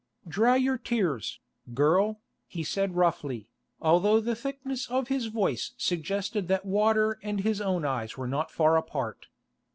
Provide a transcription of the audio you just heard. "Dry your tears, girl," he said roughly, although the thickness of his voice suggested that water and his own eyes were not far apart.